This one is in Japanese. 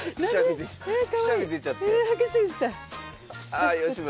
ああ吉村。